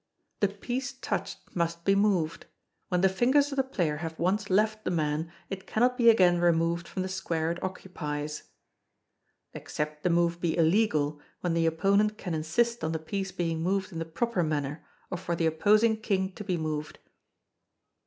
The piece touched must be moved. When the fingers of the player have once left the man, it cannot be again removed from the square it occupies. [Except the move be illegal, when the opponent can insist on the piece being moved in the proper manner, or for the opposing King to be moved.